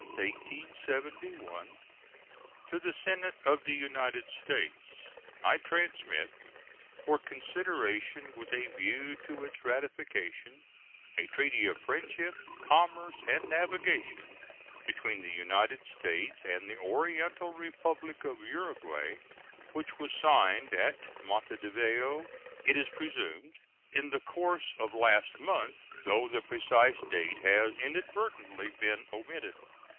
To the Senate of the United States: I transmit, for consideration with a view to its ratification, a treaty of friendship, commerce, and navigation between the United States and the Oriental Republic of Uruguay, which was signed at Montevideo, it is presumed, in the course of last month, though the precise date has inadvertently been omitted.